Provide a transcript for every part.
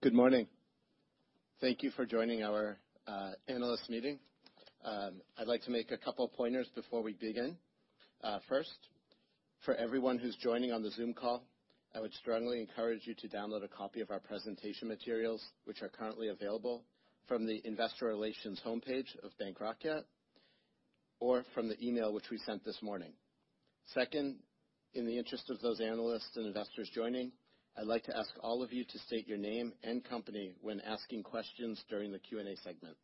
Good morning. Thank you for joining our analyst meeting. I'd like to make a couple pointers before we begin. First, for everyone who's joining on the Zoom call, I would strongly encourage you to download a copy of our presentation materials, which are currently available from the Investor Relations homepage of Bank Rakyat or from the email which we sent this morning. Second, in the interest of those analysts and investors joining, I'd like to ask all of you to state your name and company when asking questions during the Q&A segment.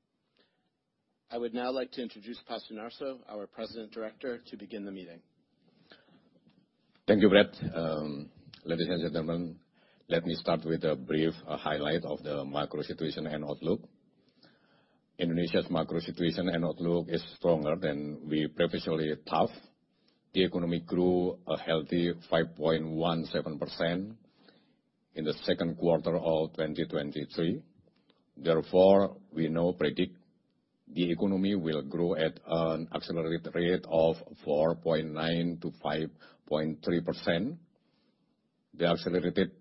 I would now like to introduce Ir Sunarso, our President Director, to begin the meeting. Thank you, Bret. Ladies and gentlemen, let me start with a brief highlight of the macro situation and outlook. Indonesia's macro situation and outlook is stronger than we previously thought. The economy grew a healthy 5.17% in the second quarter of 2023. Therefore, we now predict the economy will grow at an accelerated rate of 4.9%-5.3%. The accelerated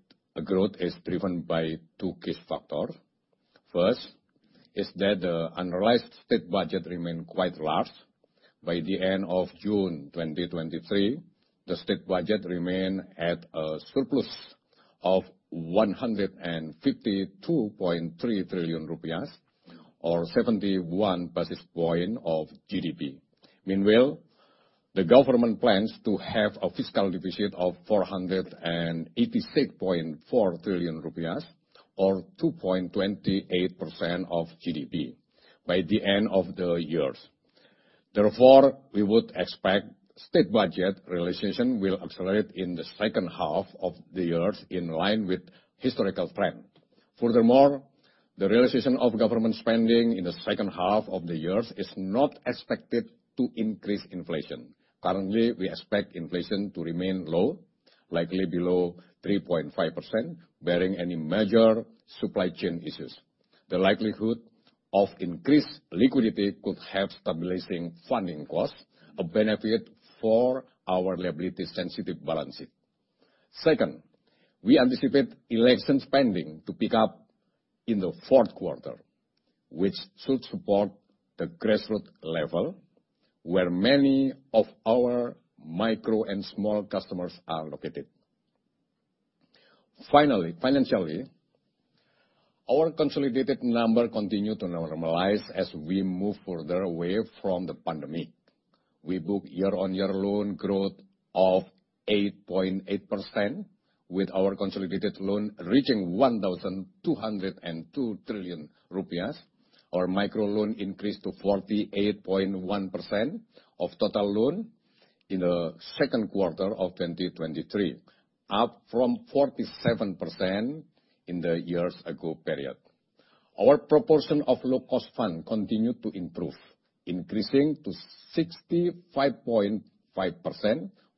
growth is driven by two key factors. First, is that the unrealized state budget remained quite large. By the end of June 2023, the state budget remained at a surplus of 152.3 trillion rupiah, or 71 basis points of GDP. Meanwhile, the government plans to have a fiscal deficit of 486.4 trillion rupiah, or 2.28% of GDP by the end of the year. Therefore, we would expect state budget realization will accelerate in the second half of the year, in line with historical trend. Furthermore, the realization of government spending in the second half of the year is not expected to increase inflation. Currently, we expect inflation to remain low, likely below 3.5%, barring any major supply chain issues. The likelihood of increased liquidity could help stabilizing funding costs, a benefit for our liability-sensitive balance sheet. Second, we anticipate election spending to pick up in the fourth quarter, which should support the grassroots level, where many of our micro and small customers are located. Finally, financially, our consolidated numbers continue to normalize as we move further away from the pandemic. We book year-on-year loan growth of 8.8%, with our consolidated loan reaching 1, 202 trillion. Our micro loan increased to 48.1% of total loan in the second quarter of 2023, up from 47% in the year-ago period. Our proportion of low-cost funds continued to improve, increasing to 65.5%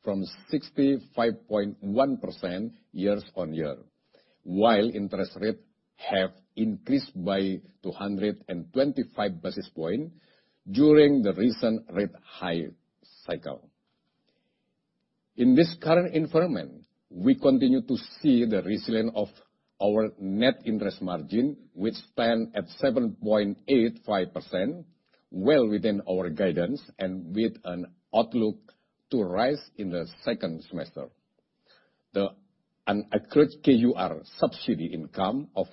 from 65.1% year-on-year, while interest rates have increased by 225 basis points during the recent rate hike cycle. In this current environment, we continue to see the resilience of our net interest margin, which stand at 7.85%, well within our guidance and with an outlook to rise in the second semester. An accrued KUR subsidy income of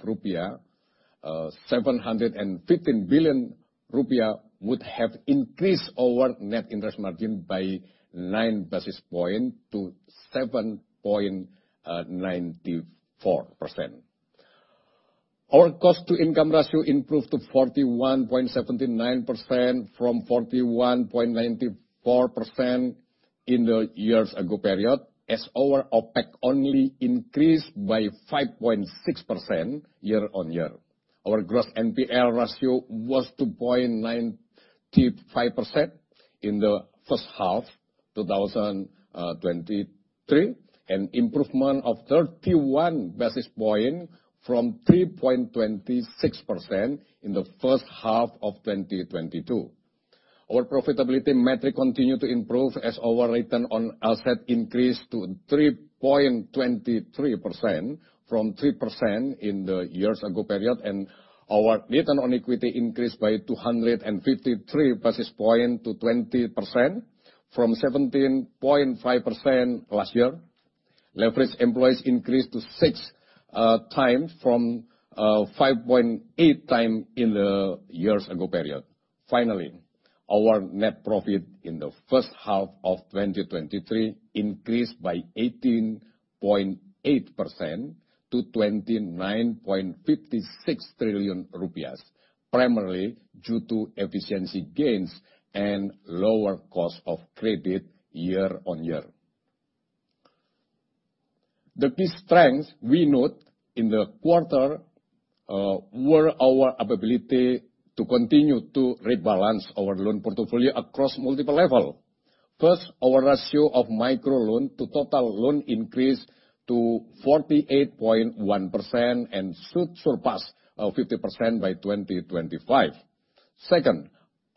715 billion rupiah would have increased our net interest margin by 9 basis points to 7.94%. Our cost-to-income ratio improved to 41.79% from 41.94% in the years ago period, as our OpEx only increased by 5.6% year-on-year. Our gross NPL ratio was 2.95% in the first half 2023, an improvement of 31 basis points from 3.26% in the first half of 2022. Our profitability metric continued to improve as our return on asset increased to 3.23% from 3% in the years ago period, and our return on equity increased by 253 basis points to 20%, from 17.5% last year. Leverage employees increased to 6 times from 5.8 times in the years ago period. Finally, our net profit in the first half of 2023 increased by 18.8% to 29.56 trillion rupiah, primarily due to efficiency gains and lower cost of credit year-on-year. The key strengths we note in the quarter were our ability to continue to rebalance our loan portfolio across multiple levels. First, our ratio of micro loan to total loan increased to 48.1% and should surpass 50% by 2025. Second,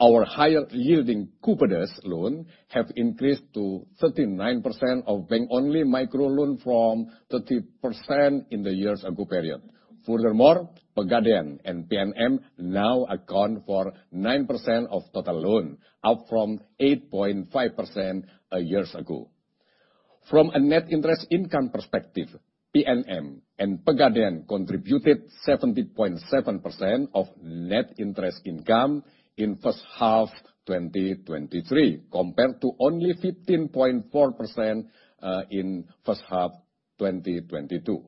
our higher yielding Kupedes loan have increased to 39% of bank-only micro loan from 30% in the year-ago period. Furthermore, Pegadaian and PNM now account for 9% of total loan, up from 8.5% a year ago. From a net interest income perspective, PNM and Pegadaian contributed 70.7% of net interest income in first half 2023, compared to only 15.4% in first half 2022.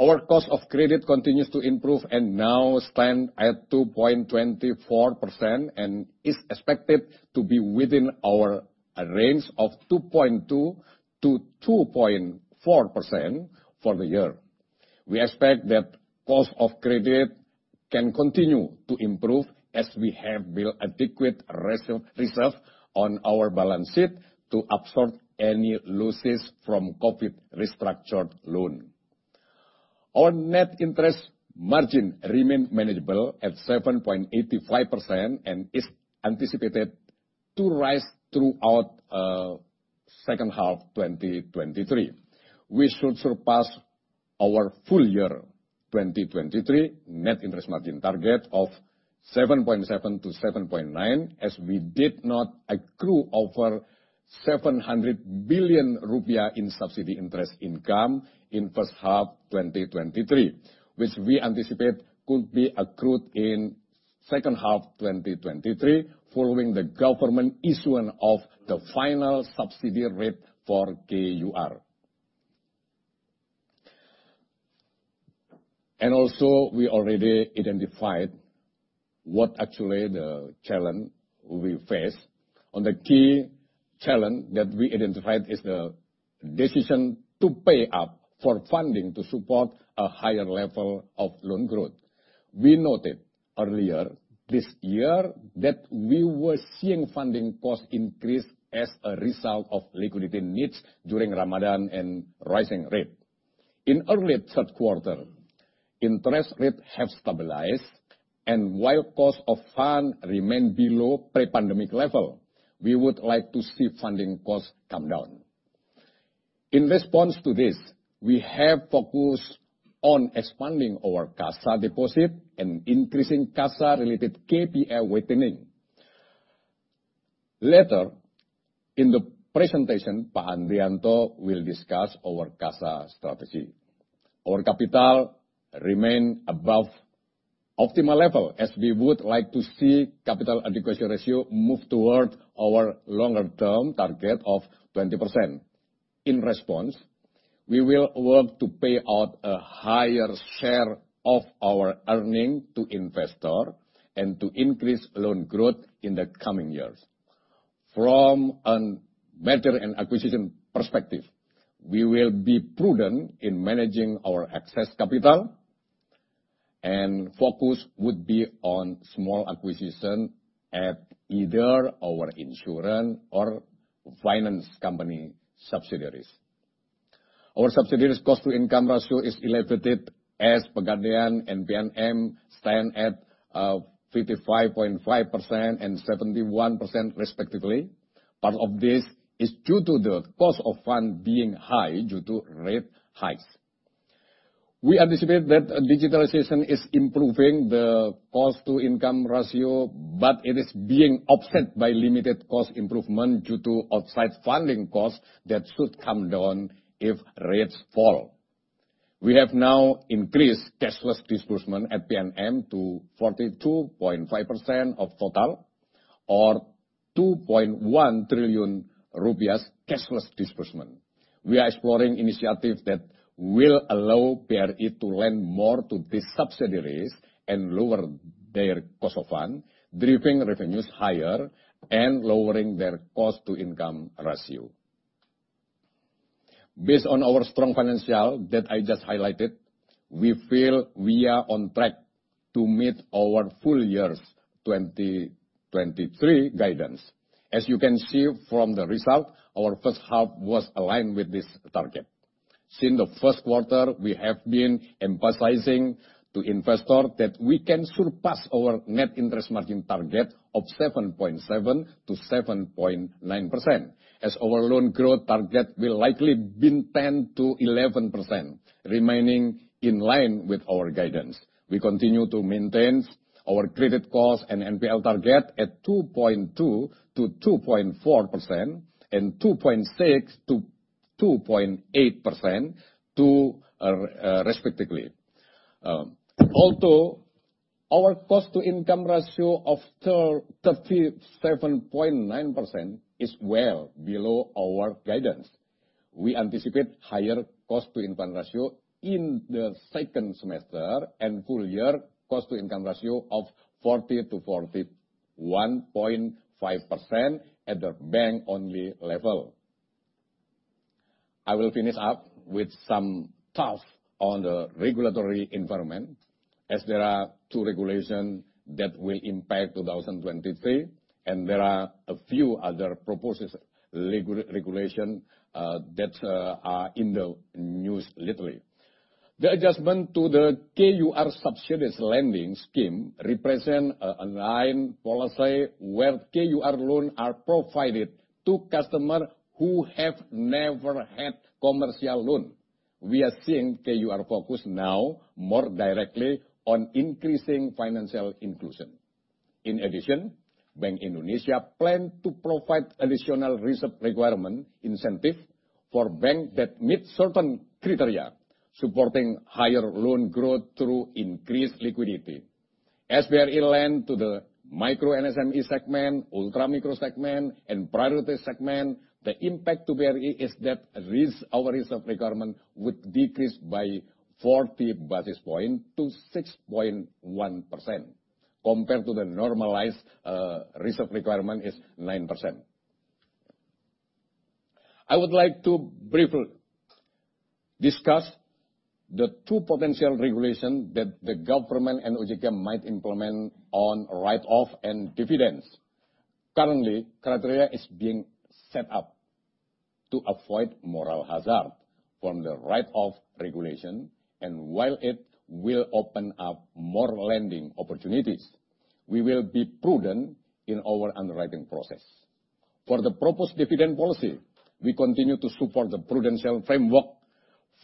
Our cost of credit continues to improve and now stands at 2.24%, and is expected to be within our range of 2.2%-2.4% for the year. We expect that cost of credit can continue to improve as we have built adequate reserve on our balance sheet to absorb any losses from COVID restructured loan. Our net interest margin remains manageable at 7.85% and is anticipated to rise throughout second half 2023. We should surpass our full year 2023 net interest margin target of 7.7%-7.9%, as we did not accrue over 700 billion rupiah in subsidy interest income in first half 2023, which we anticipate could be accrued in second half 2023, following the government issuance of the final subsidy rate for KUR. Also, we already identified what actually the challenge we face, and the key challenge that we identified is the decision to pay up for funding to support a higher level of loan growth. We noted earlier this year that we were seeing funding costs increase as a result of liquidity needs during Ramadan and rising rate. In early third quarter, interest rates have stabilized, and while cost of fund remain below pre-pandemic level, we would like to see funding costs come down. In response to this, we have focused on expanding our CASA deposit and increasing CASA-related KPI weighting. Later in the presentation, Pak Andrianto will discuss our CASA strategy. Our capital remains above optimal level, as we would like to see capital adequacy ratio move toward our longer-term target of 20%. In response, we will work to pay out a higher share of our earning to investor and to increase loan growth in the coming years. From a merger and acquisition perspective, we will be prudent in managing our excess capital, and focus would be on small acquisition at either our insurance or finance company subsidiaries. Our subsidiaries cost-to-income ratio is elevated, as Pegadaian and PNM stand at 55.5% and 71% respectively. Part of this is due to the cost of fund being high due to rate hikes. We anticipate that digitalization is improving the cost-to-income ratio, but it is being offset by limited cost improvement due to offsite funding costs that should come down if rates fall. We have now increased cashless disbursement at PNM to 42.5% of total, or 2.1 trillion rupiah cashless disbursement. We are exploring initiatives that will allow BRI to lend more to these subsidiaries and lower their cost of fund, driving revenues higher and lowering their cost-to-income ratio. Based on our strong financial that I just highlighted, we feel we are on track to meet our full years 2023 guidance. As you can see from the result, our first half was aligned with this target. Since the first quarter, we have been emphasizing to investors that we can surpass our net interest margin target of 7.7%-7.9%, as our loan growth target will likely be 10%-11%, remaining in line with our guidance. We continue to maintain our credit cost and NPL target at 2.2%-2.4% and 2.6%-2.8%, respectively. Although our cost-to-income ratio of 37.9% is well below our guidance, we anticipate higher cost-to-income ratio in the second semester and full year cost-to-income ratio of 40%-41.5% at the bank-only level. I will finish up with some thoughts on the regulatory environment, as there are two regulations that will impact 2023, and there are a few other proposed regulations that are in the news lately. The adjustment to the KUR subsidized lending scheme represents a new policy where KUR loans are provided to customers who have never had commercial loans. We are seeing KUR focus now more directly on increasing financial inclusion. In addition, Bank Indonesia plans to provide additional reserve requirement incentives for banks that meet certain criteria, supporting higher loan growth through increased liquidity. As we are in line to the micro MSME segment, ultra-micro segment, and priority segment, the impact to BRI is that our reserve requirement would decrease by 40 basis points to 6.1%, compared to the normalized reserve requirement of 9%. I would like to briefly discuss the two potential regulations that the government and OJK might implement on write-off and dividends. Currently, criteria are being set up to avoid moral hazard from the write-off regulation, and while it will open up more lending opportunities, we will be prudent in our underwriting process. For the proposed dividend policy, we continue to support the prudential framework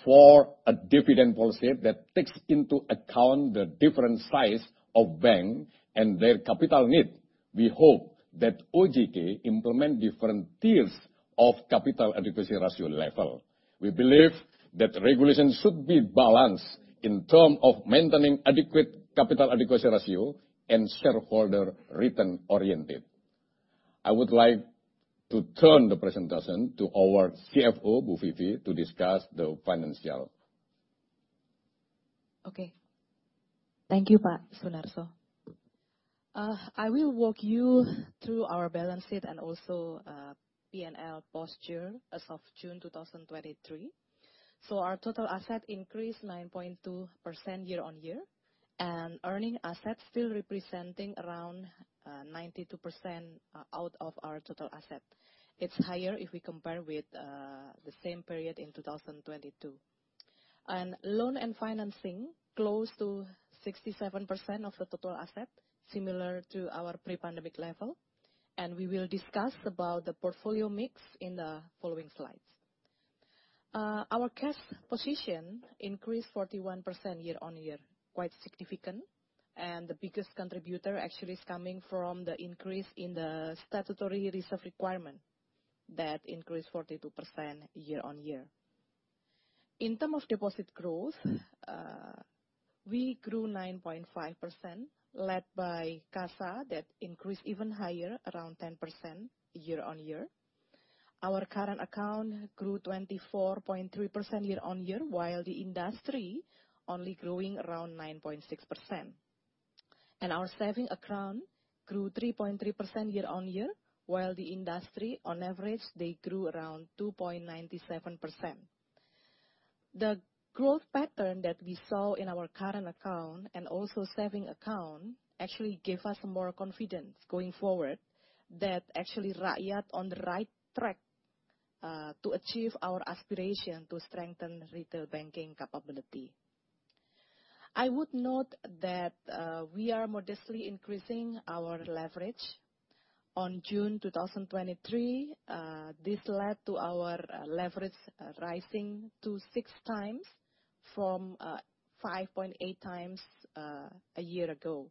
for a dividend policy that takes into account the different size of bank and their capital need. We hope that OJK implements different tiers of capital adequacy ratio level. We believe that regulations should be balanced in terms of maintaining adequate capital adequacy ratio and shareholder return oriented. I would like to turn the presentation to our CFO, Bu Vivi, to discuss the financial. Okay. Thank you, Pak Sunarso. I will walk you through our balance sheet and also, PNL posture as of June 2023. Our total asset increased 9.2% year-on-year, and earning assets still representing around, 92%, out of our total asset. It's higher if we compare with, the same period in 2022. Loan and financing, close to 67% of the total asset, similar to our pre-pandemic level, and we will discuss about the portfolio mix in the following slides. Our cash position increased 41% year-on-year, quite significant, and the biggest contributor actually is coming from the increase in the statutory reserve requirement. That increased 42% year-on-year. In terms of deposit growth, we grew 9.5%, led by CASA, that increased even higher, around 10% year-on-year. Our current account grew 24.3% year-on-year, while the industry only growing around 9.6%. Our saving account grew 3.3% year-on-year, while the industry, on average, they grew around 2.97%. The growth pattern that we saw in our current account and also saving account actually gave us more confidence going forward, that actually, Rakyat on the right track, to achieve our aspiration to strengthen retail banking capability. I would note that, we are modestly increasing our leverage. On June 2023, this led to our, leverage, rising to 6x from, 5.8x, a year ago.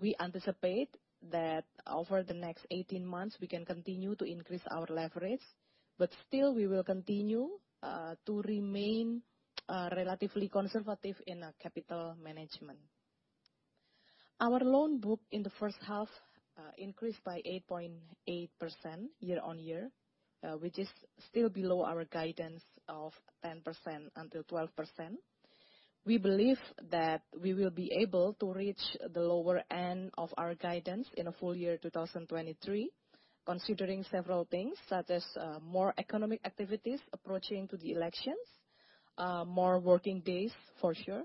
We anticipate that over the next 18 months, we can continue to increase our leverage, but still, we will continue, to remain, relatively conservative in a capital management. Our loan book in the first half increased by 8.8% year-on-year, which is still below our guidance of 10%-12%. We believe that we will be able to reach the lower end of our guidance in a full year 2023, considering several things, such as more economic activities approaching to the elections, more working days for sure,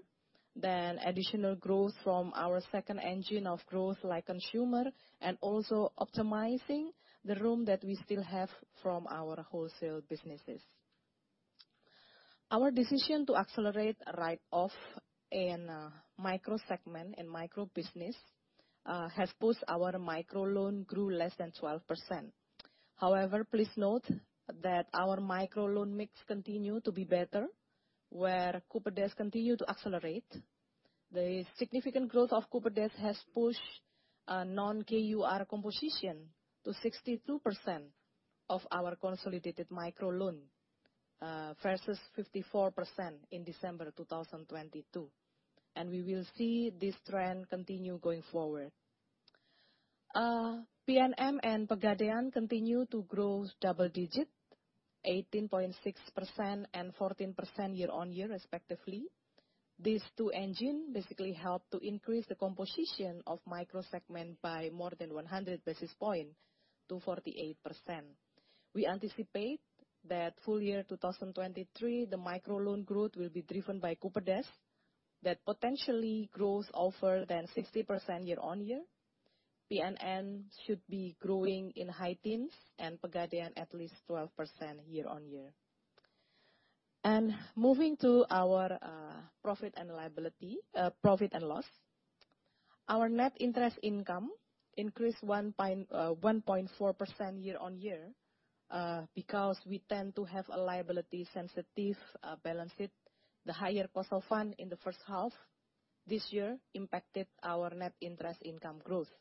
then additional growth from our second engine of growth like consumer, and also optimizing the room that we still have from our wholesale businesses. Our decision to accelerate write-off in micro segment and micro business has pushed our micro loan grew less than 12%. However, please note that our micro loan mix continue to be better, where koperasi continue to accelerate. The significant growth of koperasi has pushed non-KUR composition to 62% of our consolidated micro loan versus 54% in December 2022, and we will see this trend continue going forward. PNM and Pegadaian continue to grow double-digit, 18.6% and 14% year-on-year, respectively. These two engines basically help to increase the composition of micro segment by more than 100 basis points to 48%. We anticipate that full year 2023, the micro loan growth will be driven by koperasi, that potentially grows over than 60% year-on-year. PNM should be growing in high teens, and Pegadaian at least 12% year-on-year. Moving to our profit and loss. Our net interest income increased 1.4% year-on-year because we tend to have a liability sensitive balance sheet. The higher cost of fund in the first half this year impacted our net interest income growth.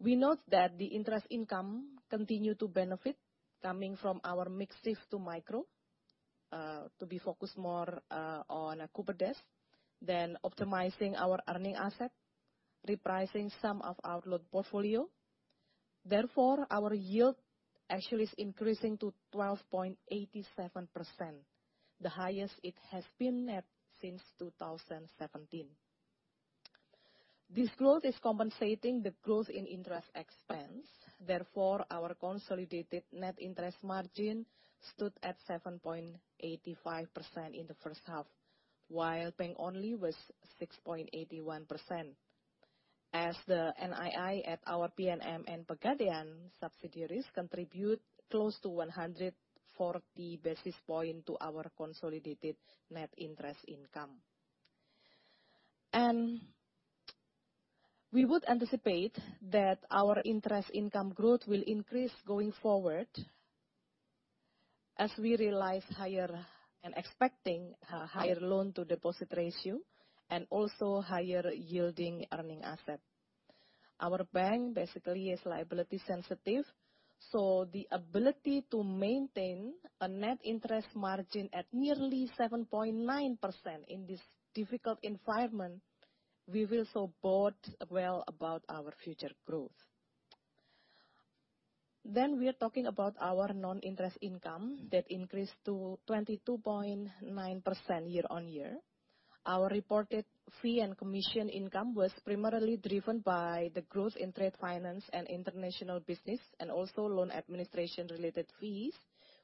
We note that the interest income continue to benefit coming from our mix shift to micro to be focused more on a corporate desk, then optimizing our earning asset, repricing some of our loan portfolio. Therefore, our yield actually is increasing to 12.87%, the highest it has been at since 2017. This growth is compensating the growth in interest expense, therefore, our consolidated net interest margin stood at 7.85% in the first half, while bank-only was 6.81%. As the NII at our PNM and Pegadaian subsidiaries contribute close to 140 basis points to our consolidated net interest income. We would anticipate that our interest income growth will increase going forward as we realize higher and expecting higher loan to deposit ratio and also higher yielding earning asset. Our bank basically is liability sensitive, so the ability to maintain a net interest margin at nearly 7.9% in this difficult environment, we feel so bold well about our future growth. We are talking about our non-interest income that increased to 22.9% year-on-year. Our reported fee and commission income was primarily driven by the growth in trade finance and international business, and also loan administration related fees,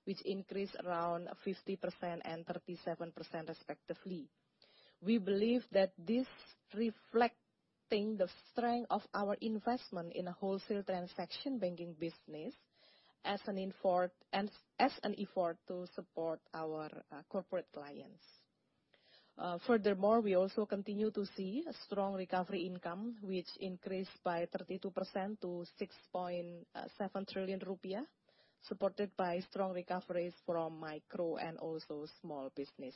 which increased around 50% and 37% respectively. We believe that this reflecting the strength of our investment in a wholesale transaction banking business as an effort to support our corporate clients. Furthermore, we also continue to see a strong recovery income, which increased by 32% to 6.7 trillion rupiah, supported by strong recoveries from micro and also small business.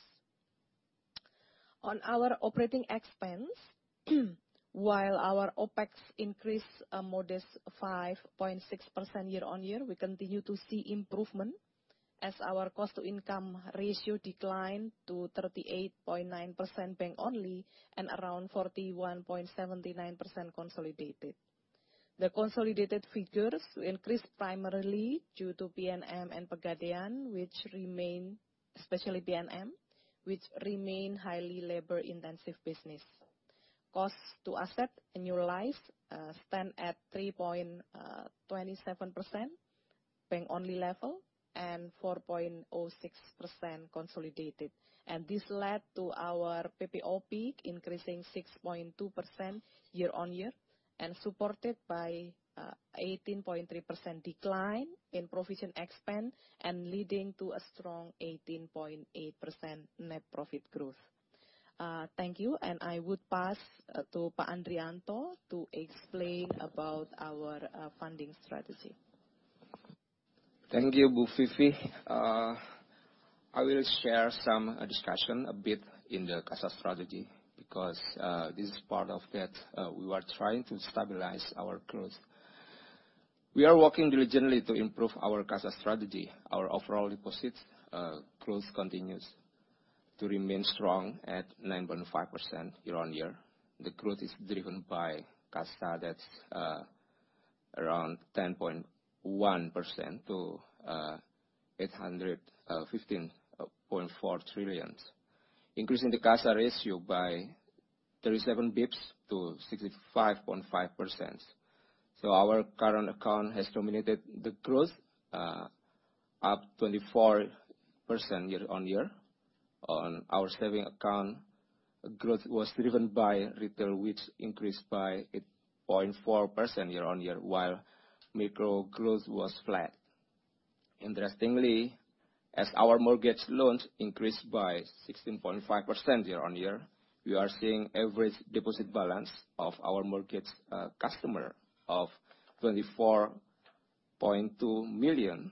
On our operating expense, while our OpEx increased a modest 5.6% year-on-year, we continue to see improvement as our cost to income ratio declined to 38.9% bank only, and around 41.79% consolidated. The consolidated figures increased primarily due to PNM and Pegadaian, which remain, especially PNM, which remain highly labor-intensive business. Cost to asset annualized stand at 3.27% bank only level, and 4.06% consolidated. This led to our PPOP increasing 6.2% year-on-year, supported by 18.3% decline in provision expense, and leading to a strong 18.8% net profit growth. Thank you, and I would pass to Pak Andrianto to explain about our funding strategy. Thank you, Bu Vivi. I will share some discussion a bit in the CASA strategy, because, this is part of that, we are trying to stabilize our growth. We are working diligently to improve our CASA strategy. Our overall deposits, growth continues to remain strong at 9.5% year-on-year. The growth is driven by CASA, that's, around 10.1% to 815.4 trillion, increasing the CASA ratio by 37 basis points to 65.5%. So our current account has dominated the growth, up 24% year-on-year. On our saving account, growth was driven by retail, which increased by 8.4% year-on-year, while micro growth was flat. Interestingly, as our mortgage loans increased by 16.5% year-on-year, we are seeing average deposit balance of our mortgage customer of 24.2 million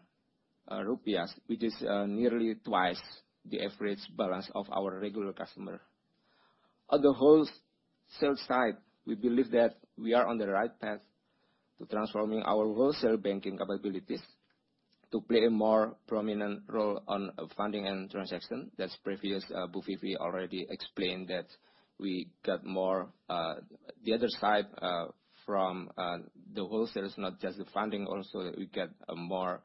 rupiahs, which is nearly twice the average balance of our regular customer. On the wholesale side, we believe that we are on the right path to transforming our wholesale banking capabilities to play a more prominent role on funding and transaction. That's previous, Bu Vivi already explained that we got more... The other side, from the wholesale is not just the funding, also, that we get more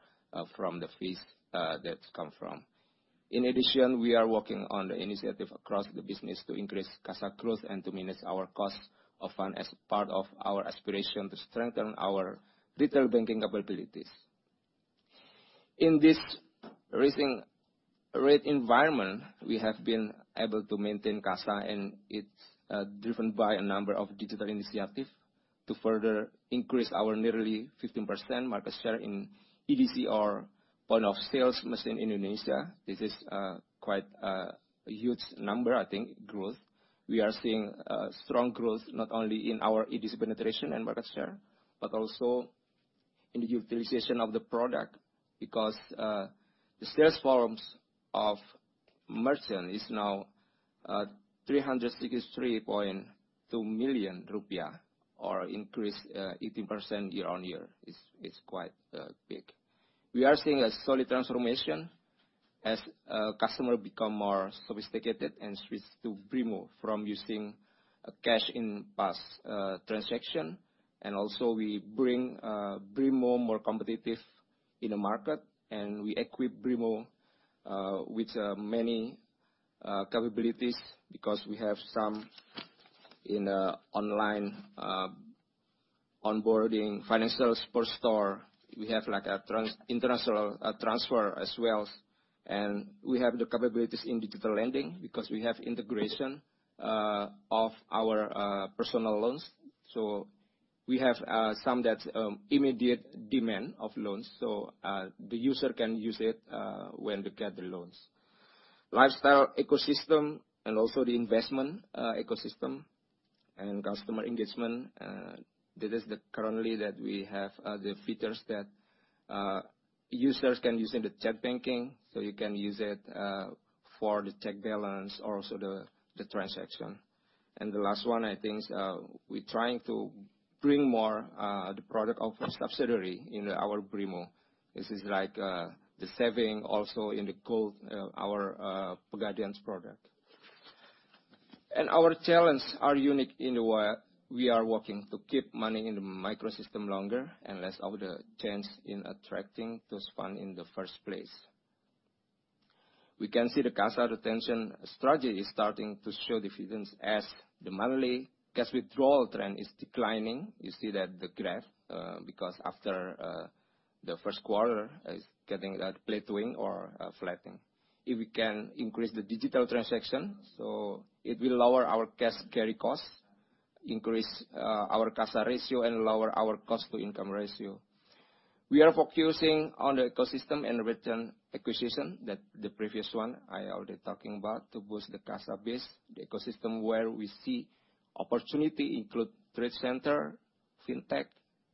from the fees that come from. In addition, we are working on the initiative across the business to increase CASA growth and to manage our cost of fund as part of our aspiration to strengthen our retail banking capabilities.... In this rising rate environment, we have been able to maintain CASA, and it's driven by a number of digital initiatives to further increase our nearly 15% market share in EDC or point of sales machine Indonesia. This is quite a huge number, I think, growth. We are seeing strong growth, not only in our EDC penetration and market share, but also in the utilization of the product, because the sales volumes of merchant is now 363.2 million IDR, or increase 18% year-on-year. It's quite big. We are seeing a solid transformation as customer become more sophisticated and switch to BRImo from using cash in past transaction. And also, we bring BRImo more competitive in the market, and we equip BRImo with many capabilities, because we have some in online onboarding financial superstore. We have, like, an international transfer as well, and we have the capabilities in digital lending, because we have integration of our personal loans. So, we have some that immediate demand of loans, so the user can use it when they get the loans. Lifestyle ecosystem and also the investment ecosystem and customer engagement, that is the current that we have, the features that users can use in the digital banking, so you can use it for the check balance or also the transaction. And the last one, I think, we're trying to bring more, the product of subsidiary in our BRImo. This is like, the saving also in the gold, our Pegadaian product. And our challenges are unique in the way we are working to keep money in the microsystem longer and less of the chance in attracting those funds in the first place. We can see the CASA retention strategy is starting to show dividends as the monthly cash withdrawal trend is declining. You see that, the graph, because after the first quarter is getting plateauing or flattening. If we can increase the digital transaction, so it will lower our cash carry costs, increase our CASA ratio, and lower our cost-to-income ratio. We are focusing on the ecosystem and return acquisition, that the previous one I already talking about, to boost the CASA base. The ecosystem where we see opportunity include trade center, fintech,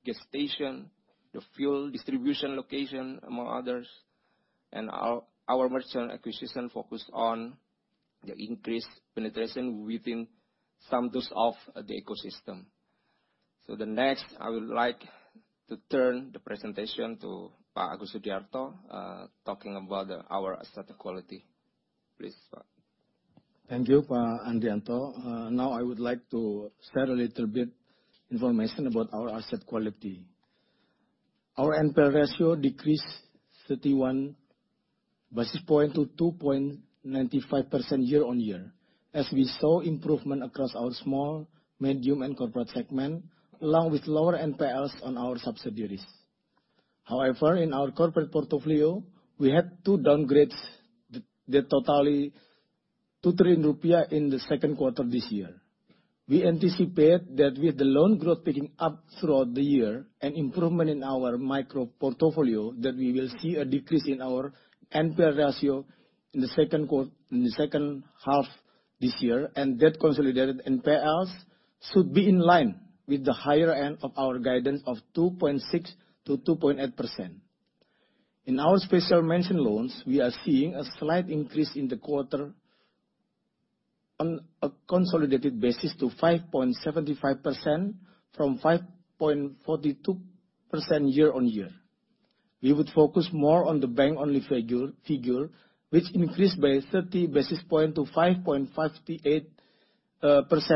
gas station, the fuel distribution location, among others. And our, our merchant acquisition focus on the increased penetration within some those of the ecosystem. The next, I would like to turn the presentation to Pak Agus Sudiarto, talking about our asset quality. Please, Pak. Thank you, Pak Andrianto. Now I would like to share a little bit information about our asset quality. Our NPL ratio decreased 31 basis point to 2.95% year-on-year, as we saw improvement across our small, medium, and corporate segment, along with lower NPLs on our subsidiaries. However, in our corporate portfolio, we had two downgrades that totally 2 trillion rupiah in the second quarter of this year. We anticipate that with the loan growth picking up throughout the year and improvement in our micro portfolio, that we will see a decrease in our NPL ratio in the second half this year, and that consolidated NPLs should be in line with the higher end of our guidance of 2.6%-2.8%. In our special mention loans, we are seeing a slight increase in the quarter on a consolidated basis to 5.75% from 5.42% year-on-year. We would focus more on the bank-only figure, which increased by 30 basis point to 5.58%,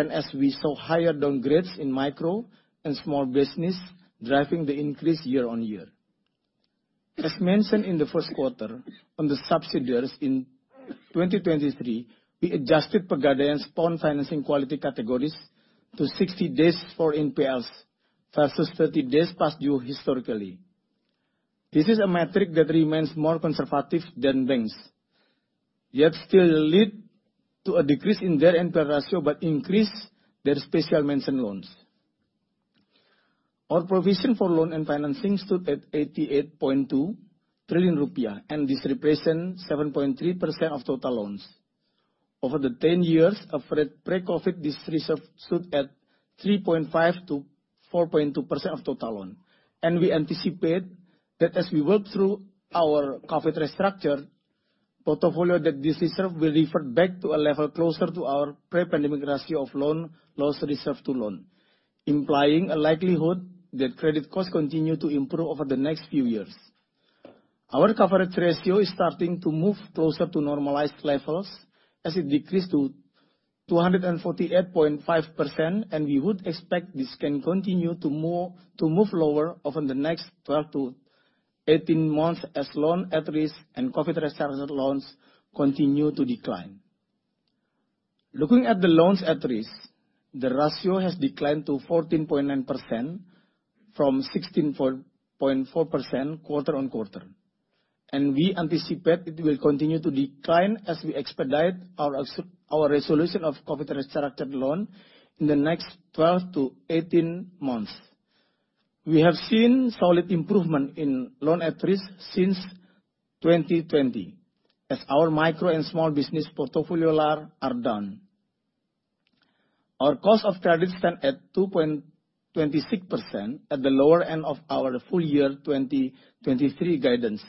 as we saw higher downgrades in micro and small business, driving the increase year-on-year. As mentioned in the first quarter, on the subsidiaries in 2023, we adjusted Pegadaian's pawn financing quality categories to 60 days for NPLs, versus 30 days past due historically. This is a metric that remains more conservative than banks, yet still lead to a decrease in their NPL ratio, but increase their special mention loans. Our provision for loan and financing stood at 88.2 trillion rupiah, and this represent 7.3% of total loans. Over the 10 years of pre-COVID, this reserve stood at 3.5%-4.2% of total loan. We anticipate that as we work through our COVID restructure portfolio, that this reserve will revert back to a level closer to our pre-pandemic ratio of loan loss reserve to loan, implying a likelihood that credit costs continue to improve over the next few years. Our coverage ratio is starting to move closer to normalized levels as it decreased to 248.5%, and we would expect this can continue to move lower over the next 12-18 months as loan at risk and COVID restructured loans continue to decline. Looking at the loans at risk, the ratio has declined to 14.9% from 16.4% quarter-on-quarter, and we anticipate it will continue to decline as we expedite our resolution of COVID restructured loan in the next 12-18 months. We have seen solid improvement in loan at risk since 2020, as our micro and small business portfolio are down. Our cost of credit stand at 2.26% at the lower end of our full year 2023 guidance.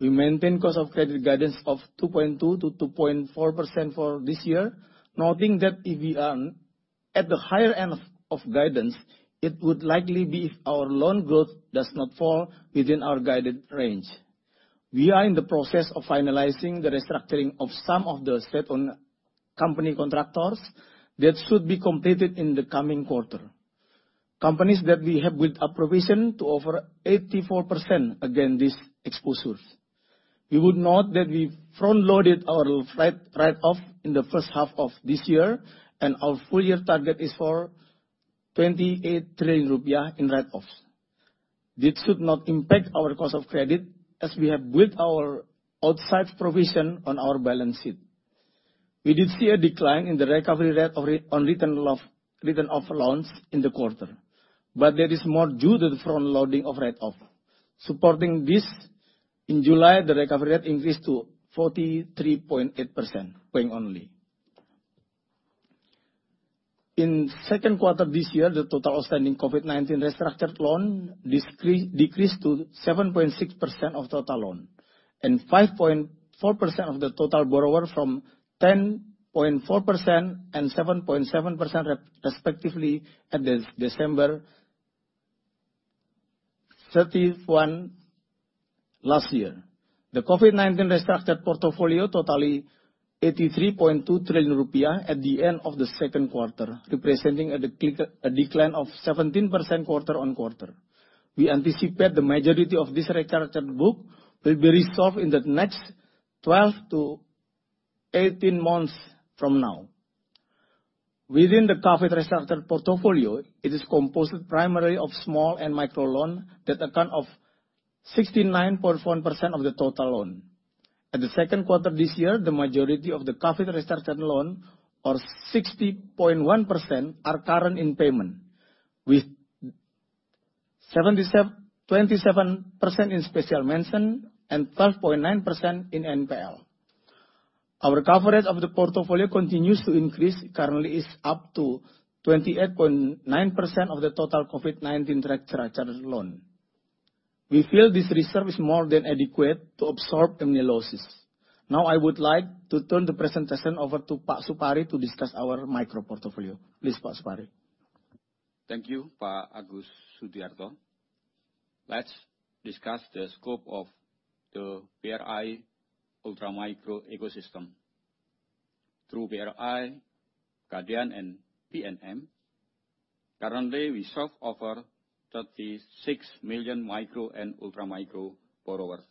We maintain cost of credit guidance of 2.2%-2.4% for this year, noting that if we earn at the higher end of guidance, it would likely be if our loan growth does not fall within our guided range. We are in the process of finalizing the restructuring of some of the state-owned company contractors that should be completed in the coming quarter. Companies that we have with a provision to over 84% against these exposures. We would note that we front-loaded our write-off in the first half of this year, and our full year target is for 28 trillion rupiah in write-offs. This should not impact our cost of credit, as we have built our outside provision on our balance sheet. We did see a decline in the recovery rate of re-- on written-off loans in the quarter, but that is more due to the front-loading of write-off. Supporting this, in July, the recovery rate increased to 43.8% bank only. In second quarter this year, the total outstanding COVID-19 restructured loan decreased to 7.6% of total loan, and 5.4% of the total borrower from 10.4% and 7.7%, respectively, at December 31 last year. The COVID-19 restructured portfolio totaling 83.2 trillion rupiah at the end of the second quarter, representing a decline of 17% quarter-on-quarter. We anticipate the majority of this restructured book will be resolved in the next 12 to 18 months from now. Within the COVID restructured portfolio, it is composed primarily of small and micro loan that account of 69.1% of the total loan. At the second quarter this year, the majority of the COVID restructured loan, or 60.1%, are current in payment, with 77.27% in special mention and 12.9% in NPL. Our coverage of the portfolio continues to increase. Currently, it's up to 28.9% of the total COVID-19 restructured loan. We feel this reserve is more than adequate to absorb any losses. Now, I would like to turn the presentation over to Pak Supari to discuss our micro portfolio. Please, Pak Supari. Thank you, Pak Agus Sudiarto. Let's discuss the scope of the BRI Ultra Micro Ecosystem. Through BRI, Pegadaian, and PNM, currently, we serve over 36 million micro and ultra micro borrowers.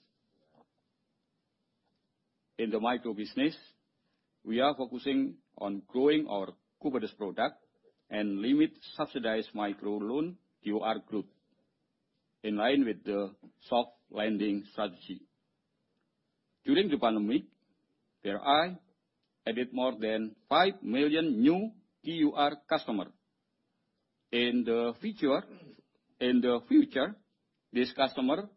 In the micro business, we are focusing on growing our Kupedes product and limit subsidized micro loan KUR group, in line with the soft landing strategy. During the pandemic, BRI added more than 5 million new KUR customers. In the future, in the future, this customer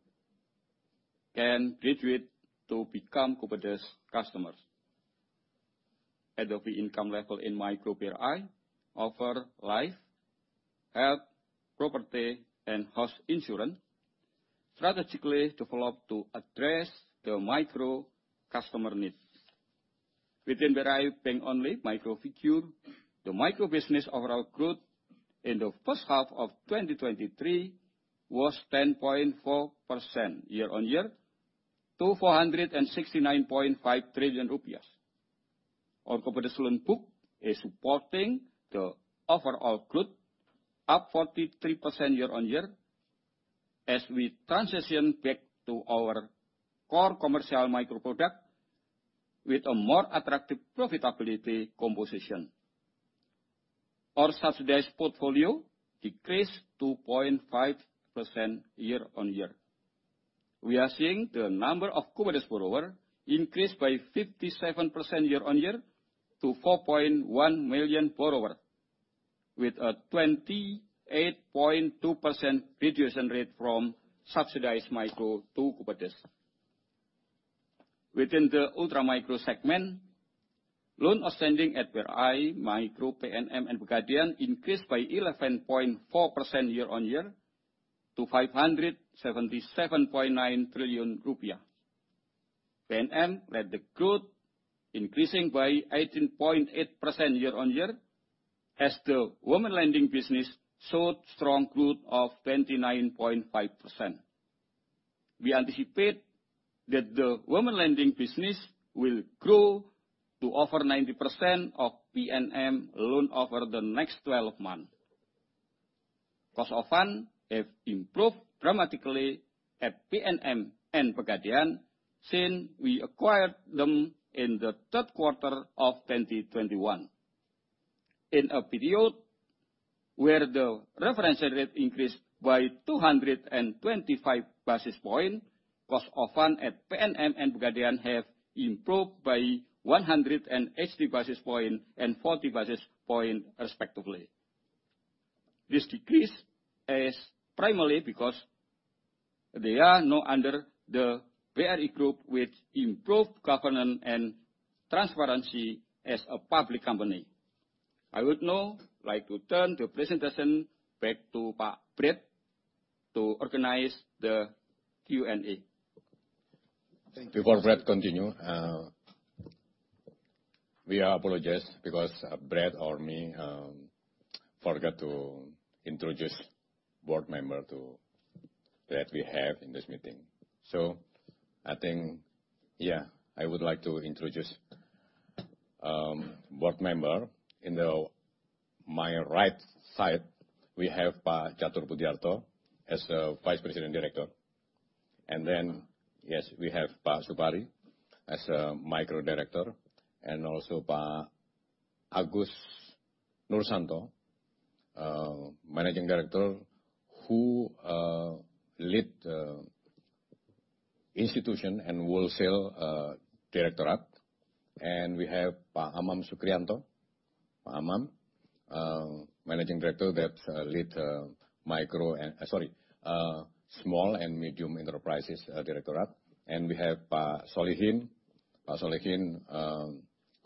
can graduate to become Kupedes customers. At the income level in micro BRI, offer life, health, property, and house insurance, strategically developed to address the micro customer needs. Within BRI bank only micro figure, the micro business overall growth in the first half of 2023 was 10.4% year-on-year to 469.5 trillion rupiahs. Our Kupedes loan book is supporting the overall growth, up 43% year-on-year, as we transition back to our core commercial micro product with a more attractive profitability composition. Our subsidized portfolio decreased 2.5% year-on-year. We are seeing the number of Kupedes borrowers increase by 57% year-on-year to 4.1 million borrowers, with a 28.2% reduction rate from subsidized micro to Kupedes. Within the ultra-micro segment, loan outstanding at BRI Micro, PNM, and Pegadaian increased by 11.4% year-on-year to 577.9 trillion rupiah. PNM led the growth, increasing by 18.8% year-on-year, as the women lending business showed strong growth of 29.5%. We anticipate that the women lending business will grow to over 90% of PNM loans over the next 12 months. Cost of funds have improved dramatically at PNM and Pegadaian since we acquired them in the third quarter of 2021. In a period where the reference rate increased by 225 basis points, cost of funds at PNM and Pegadaian have improved by 180 basis points and 40 basis points, respectively. This decrease is primarily because they are now under the BRI Group, with improved governance and transparency as a public company. I would now like to turn the presentation back to Pak Bret to organize the Q&A. Thank you. Before Bret continue, we apologize because, Bret or me, forgot to introduce board members that we have in this meeting. So I think, yeah, I would like to introduce board members. On my right side, we have Pak Catur Budi Harto as the Vice President Director. And then, yes, we have Pak Supari as Micro Director, and also Pak Agus Noorsanto, Managing Director, who lead Institution and Wholesale directorate. And we have Pak Amam Sukrianto. Amam, Managing Director, that lead micro and... Sorry, Small and Medium Enterprises Directorate. And we have Pak Solihin. Pak Solihin,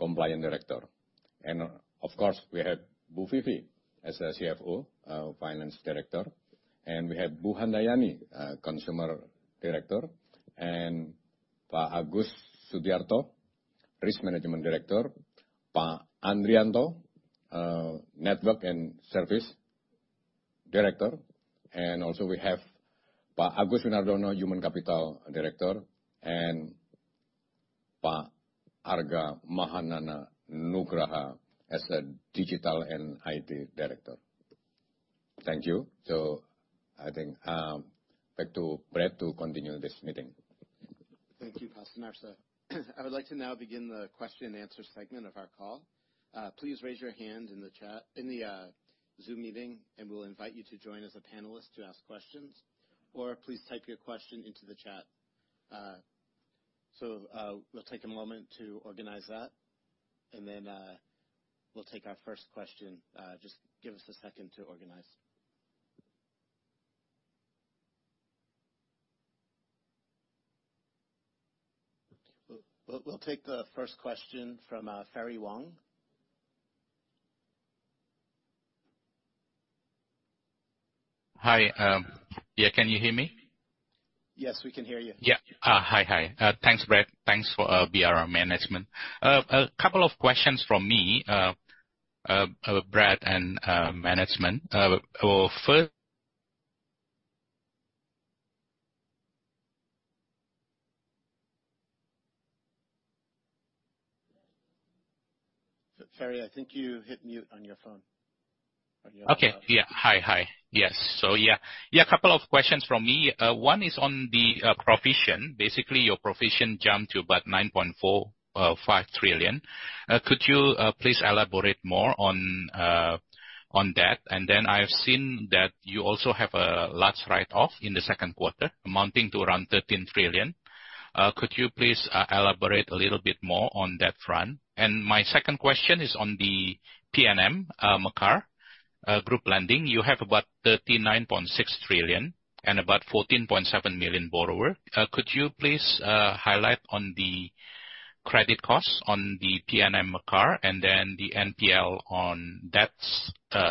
Compliance Director. And of course, we have Bu Vivi as a CFO, Finance Director, and we have Bu Handayani, Consumer Director, and Pak Agus Sudiarto, Risk Management Director, Pak Andrianto, Network and Service Director, and also we have Pak Agus Winardono, Human Capital Director, and Pak Arga Mahanana Nugraha as the Digital and IT Director. Thank you. So I think, back to Bret to continue this meeting. Thank you, Pak Sunarso. I would like to now begin the question and answer segment of our call. Please raise your hand in the chat, in the Zoom meeting, and we'll invite you to join as a panelist to ask questions, or please type your question into the chat. So, we'll take a moment to organize that, and then we'll take our first question. Just give us a second to organize. We'll take the first question from Ferry Wong. Hi, yeah, can you hear me? Yes, we can hear you. Yeah. Hi, hi. Thanks, Brett. Thanks for BRI management. A couple of questions from me, Brett and management. Well, first- Ferry, I think you hit mute on your phone. Are you on? Okay. Yeah. Hi, hi. Yes. So, yeah. Yeah, a couple of questions from me. One is on the, provision. Basically, your provision jumped to about 9.45 trillion. Could you please elaborate more on, on that? And then I have seen that you also have a large write-off in the second quarter, amounting to around 13 trillion. Could you please elaborate a little bit more on that front? And my second question is on the PNM Mekaar Group lending. You have about 39.6 trillion and about 14.7 million borrower. Could you please highlight on the credit costs on the PNM Mekaar, and then the NPL on that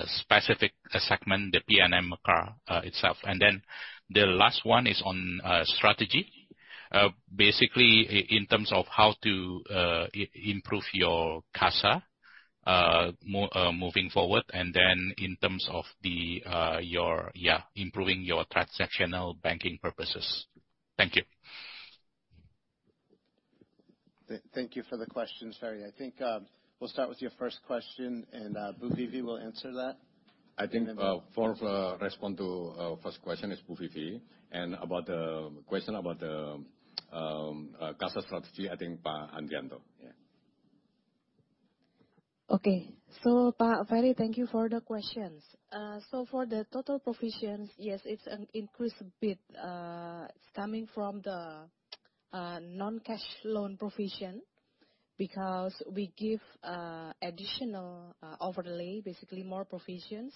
specific segment, the PNM Mekaar itself? And then the last one is on strategy, basically in terms of how to improve your CASA moving forward, and then in terms of your improving your transactional banking purposes. Thank you. Thank you for the question, Ferry. I think, we'll start with your first question, and, Bu Vivi will answer that. I think for respond to first question is Bu Vivi, and about the question about the CASA strategy, I think Pak Andrianto. Yeah. Okay. So, Pak Ferry, thank you for the questions. So for the total provisions, yes, it's an increased bit, coming from the non-cash loan provision, because we give additional overlay, basically more provisions,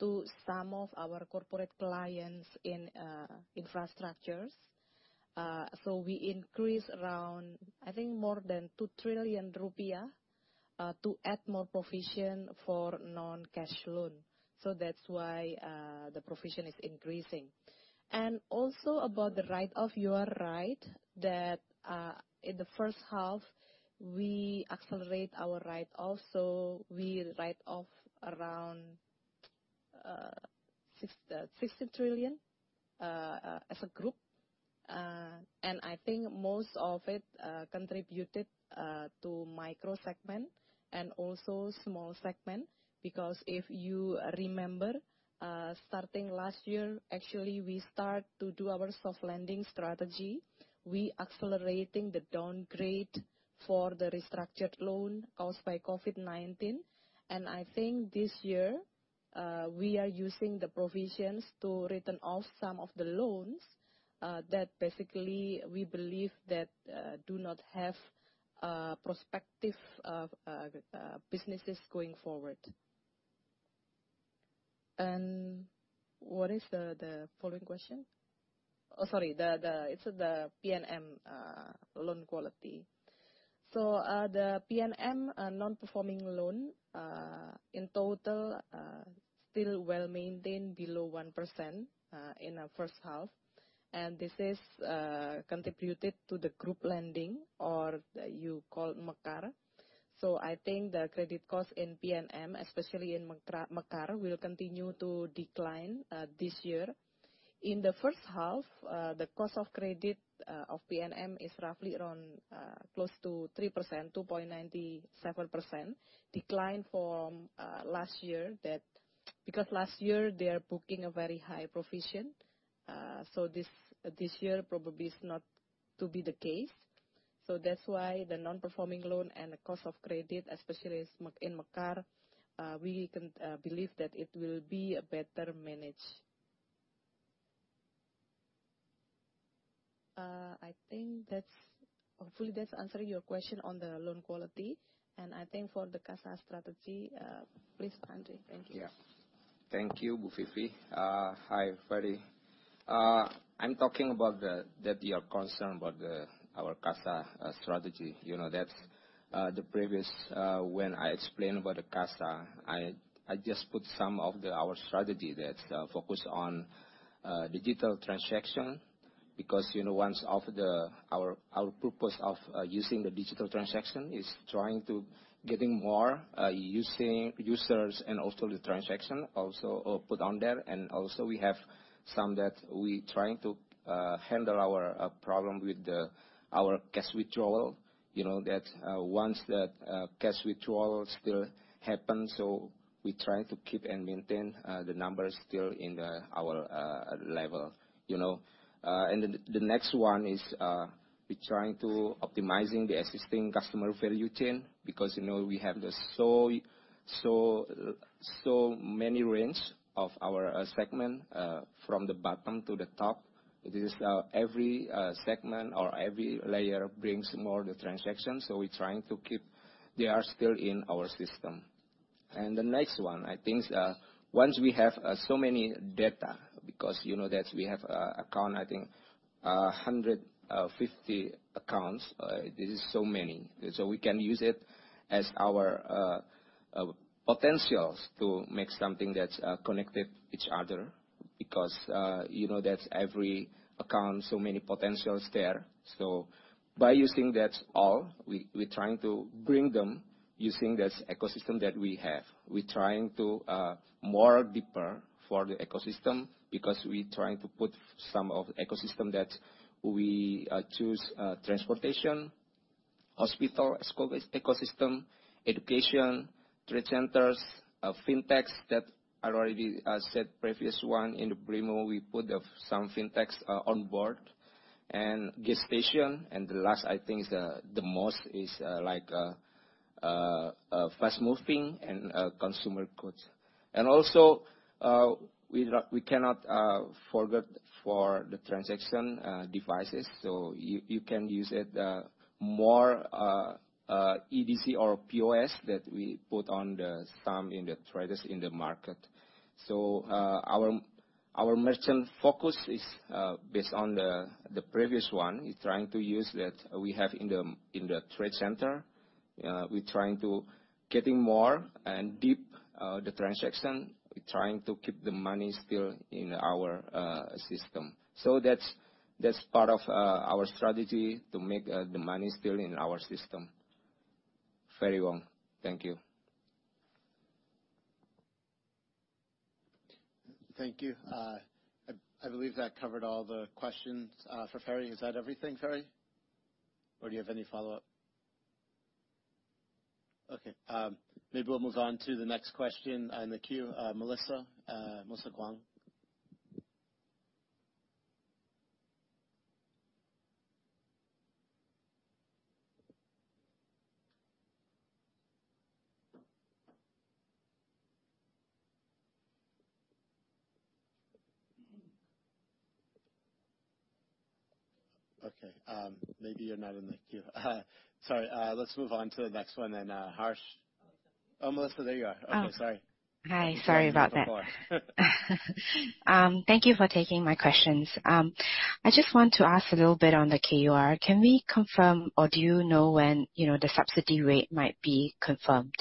to some of our corporate clients in infrastructures. So we increase around, I think, more than 2 trillion rupiah to add more provision for non-cash loan. So that's why the provision is increasing. And also, about the write-off, you are right, that in the first half, we accelerate our write off, so we write off around 60 trillion as a group. And I think most of it contributed to micro segment and also small segment, because if you remember, starting last year, actually, we start to do our soft lending strategy. We accelerating the downgrade for the restructured loan caused by COVID-19, and I think this year, we are using the provisions to written off some of the loans, that basically we believe that, do not have, prospective of, businesses going forward. What is the following question? Oh, sorry, it's the PNM loan quality. So, the PNM non-performing loan in total still well-maintained below 1% in our first half, and this is contributed to the group lending or you call Mekaar. So I think the credit cost in PNM, especially in Mekaar, will continue to decline this year. In the first half, the cost of credit of PNM is roughly around close to 3%, 2.97%, decline from last year that... Because last year, they are booking a very high provision. So this year probably is not to be the case. So that's why the non-performing loan and the cost of credit, especially in Mekaar, we can believe that it will be better managed. I think that's... Hopefully, that's answering your question on the loan quality, and I think for the CASA strategy, please, Andre. Thank you. Yeah. Thank you, Bu Vivi. Hi, Ferry. I'm talking about the, that you are concerned about the, our CASA strategy. You know, that the previous, when I explained about the CASA, I just put some of the, our strategy that focus on digital transaction, because, you know, one of the, our purpose of using the digital transaction is trying to getting more using users and also the transaction also put on there. And also, we have some that we trying to handle our problem with the our cash withdrawal. You know, that one that cash withdrawal still happens, so we try to keep and maintain the numbers still in the our level, you know? And the next one is, we're trying to optimizing the existing customer value chain because, you know, we have the so many range of our segment from the bottom to the top. This is, every segment or every layer brings more the transaction, so we're trying to keep they are still in our system. And the next one, I think, once we have so many data, because you know that we have account, I think, 150 accounts. This is so many. So we can use it as our potentials to make something that's connected each other, because, you know, that's every account, so many potentials there. So by using that all, we're trying to bring them using this ecosystem that we have. We're trying to more deeper for the ecosystem because we're trying to put some of ecosystem that we choose, transportation, hospital, ecosystem, education, trade centers, fintechs, that I already said previous one in the BRImo, we put up some fintechs on board and gas station. And the last, I think, is the most is like fast moving and consumer goods. And also, we not, we cannot forget for the transaction devices, so you can use it more EDC or POS that we put on the some in the traders in the market. So, our merchant focus is based on the previous one, is trying to use that we have in the in the trade center. We're trying to getting more and deep the transaction. We're trying to keep the money still in our system. So that's, that's part of our strategy to make the money still in our system. Very well. Thank you. Thank you. I believe that covered all the questions for Ferry. Is that everything, Ferry, or do you have any follow-up? Okay, maybe we'll move on to the next question in the queue, Melissa, Melissa Kuang. Okay, maybe you're not in the queue. Sorry, let's move on to the next one, then, Harsh. Oh, Melissa, there you are. Oh. Okay. Sorry. Hi, sorry about that. Thank you for taking my questions. I just want to ask a little bit on the KUR. Can we confirm or do you know when, you know, the subsidy rate might be confirmed?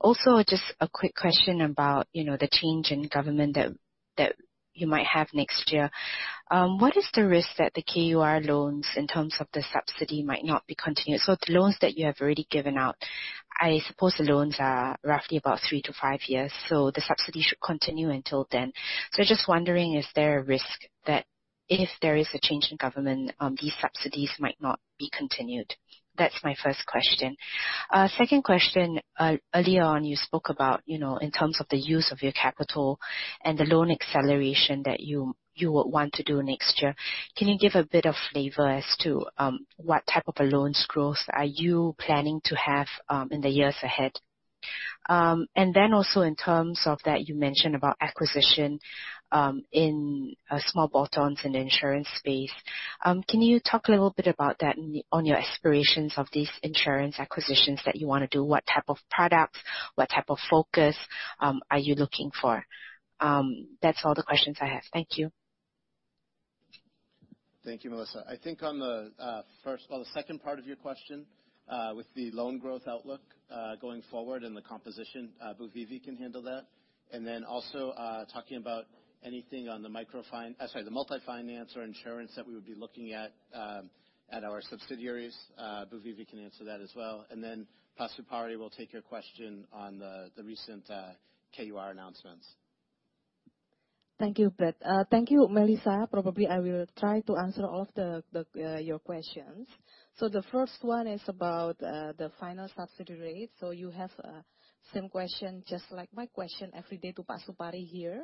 Also, just a quick question about, you know, the change in government that, that you might have next year. What is the risk that the KUR loans, in terms of the subsidy, might not be continued, so the loans that you have already given out? I suppose the loans are roughly about 3-5 years, so the subsidy should continue until then. So just wondering, is there a risk that if there is a change in government, these subsidies might not be continued? That's my first question. Second question, early on, you spoke about, you know, in terms of the use of your capital and the loan acceleration that you would want to do next year. Can you give a bit of flavor as to what type of a loans growth are you planning to have in the years ahead? And then also in terms of that, you mentioned about acquisition in small bolt-Ons in the insurance space. Can you talk a little bit about that on your aspirations of these insurance acquisitions that you wanna do? What type of products, what type of focus are you looking for? That's all the questions I have. Thank you. Thank you, Melissa. I think on the first... Well, the second part of your question with the loan growth outlook going forward and the composition, Bu Vivi can handle that. And then also talking about anything on the microfinance, sorry, the multi-finance or insurance that we would be looking at at our subsidiaries, Bu Vivi can answer that as well. And then Pak Supari will take your question on the recent KUR announcements. Thank you, Bret. Thank you, Melissa. Probably, I will try to answer all of the your questions. So the first one is about the final subsidy rate. So you have same question, just like my question every day to Pak Supari here,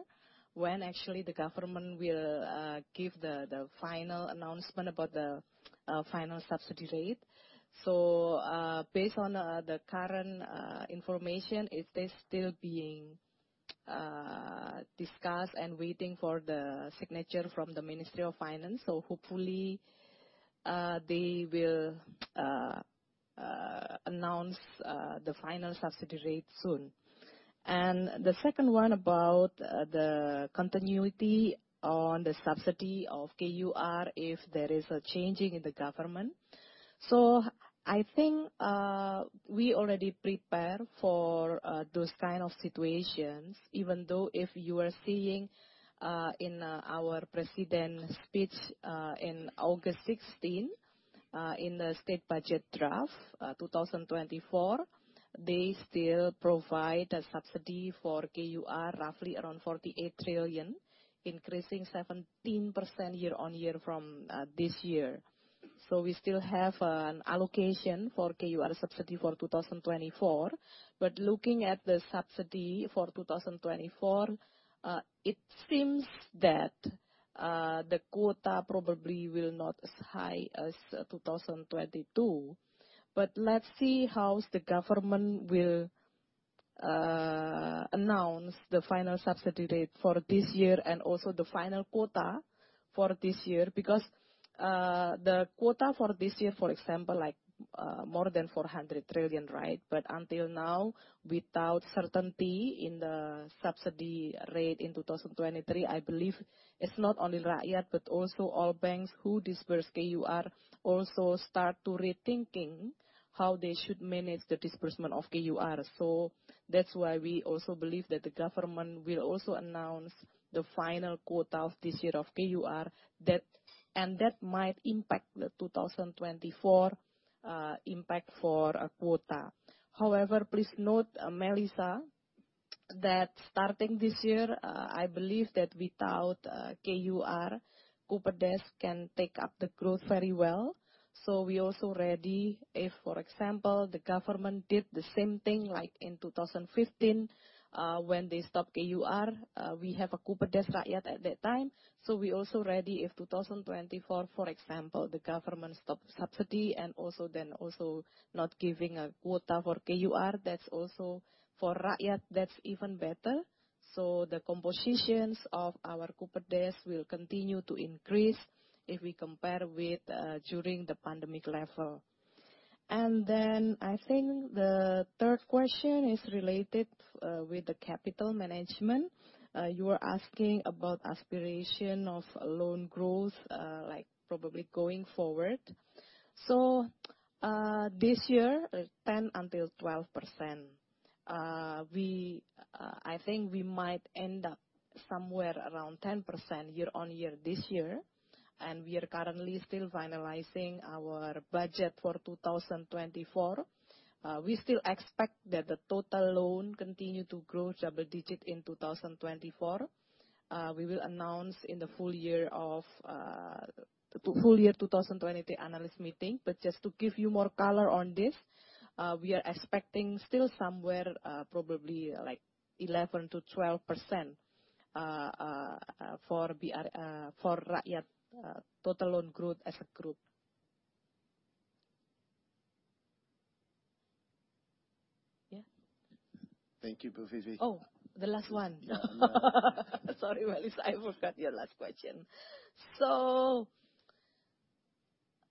when actually the government will give the final announcement about the final subsidy rate. So, based on the current information, it is still being discussed and waiting for the signature from the Ministry of Finance. So hopefully, they will announce the final subsidy rate soon. And the second one, about the continuity on the subsidy of KUR if there is a changing in the government. So I think we already prepare for those kind of situations, even though if you are seeing in our President speech in August 16th in the state budget draft 2024, they still provide a subsidy for KUR, roughly around 48 trillion, increasing 17% year-on-year from this year. So we still have an allocation for KUR subsidy for 2024. But looking at the subsidy for 2024, it seems that the quota probably will not as high as 2022. But let's see how the government will announce the final subsidy rate for this year and also the final quota for this year. Because the quota for this year, for example, like more than 400 trillion, right? But until now, without certainty in the subsidy rate in 2023, I believe it's not only Rakyat, but also all banks who disperse KUR also start to rethinking how they should manage the disbursement of KUR. So that's why we also believe that the government will also announce the final quota of this year of KUR, that—and that might impact the 2024, impact for a quota. However, please note, Melissa, that starting this year, I believe that without KUR, Kupedes can take up the growth very well. So we also ready if, for example, the government did the same thing like in 2015, when they stopped KUR, we have a Kupedes Rakyat at that time. So we also ready if 2024, for example, the government stop subsidy and also then also not giving a quota for KUR, that's also for Rakyat, that's even better. So the compositions of our Kupedes will continue to increase if we compare with, during the pandemic level. And then I think the third question is related, with the capital management. You are asking about aspiration of loan growth, like probably going forward. So, this year, 10%-12%. We, I think we might end up somewhere around 10% year-on-year this year, and we are currently still finalizing our budget for 2024. We still expect that the total loan continue to grow double-digit in 2024. We will announce in the full year 2023 analyst meeting. But just to give you more color on this, we are expecting still somewhere, probably like 11%-12% for BRI, for Rakyat, total loan growth as a group. Yeah? Thank you, Bu Vivi. Oh, the last one. Yeah. Sorry, Melissa, I forgot your last question. So,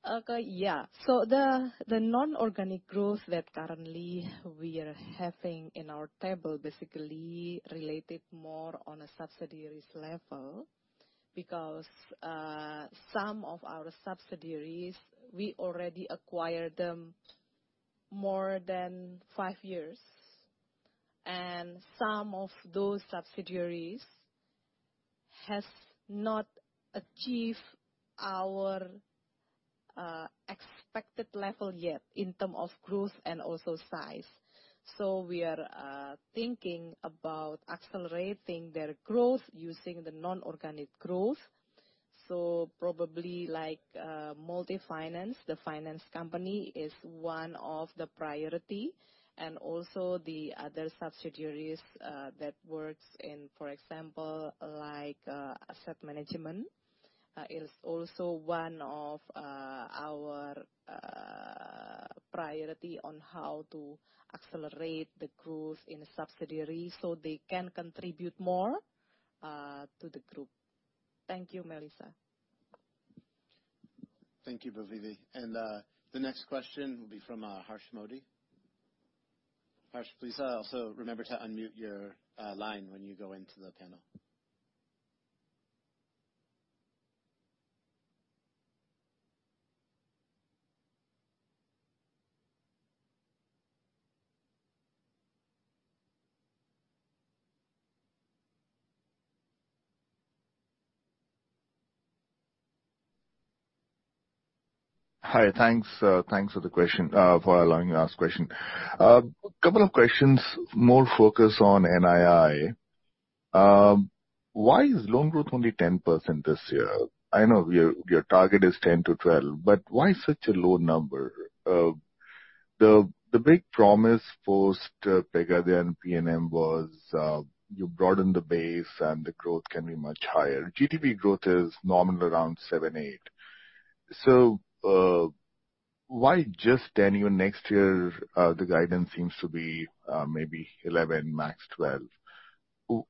okay, yeah. So the non-organic growth that currently we are having in our table is basically related more on a subsidiaries level, because some of our subsidiaries we already acquired them more than 5 years. And some of those subsidiaries has not achieved our expected level yet in term of growth and also size. So we are thinking about accelerating their growth using the non-organic growth. So probably like multi-finance, the finance company is one of the priority, and also the other subsidiaries that works in, for example, like asset management is also one of our priority on how to accelerate the growth in subsidiaries so they can contribute more to the group. Thank you, Melissa. Thank you, Bu Vivi. The next question will be from Harsh Mody. Harsh, please, also remember to unmute your line when you go into the panel. Hi, thanks. Thanks for the question for allowing me to ask question. Couple of questions, more focus on NII. Why is loan growth only 10% this year? I know your target is 10-12, but why such a low number? The big promise post Pegadaian PNM was you broaden the base, and the growth can be much higher. GDP growth is normally around 7-8. So, why just 10? Even next year, the guidance seems to be maybe 11, max 12.